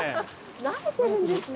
慣れてるんですね。